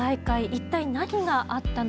一体何があったのか。